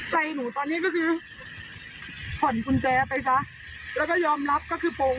ใจหนูตอนนี้ก็คือผ่อนกุญแจไปซะแล้วก็ยอมรับก็คือโปรง